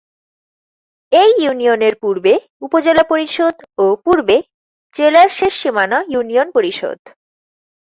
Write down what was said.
এই ইউনিয়নের পূর্বে উপজেলা পরিষদ ও পূর্বে জেলার শেষ সীমানা ইউনিয়ন পরিষদ।